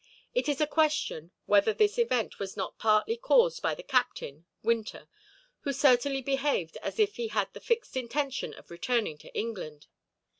It is a question whether this event was not partly caused by the captain, Winter, who certainly behaved as if he had the fixed intention of returning to England.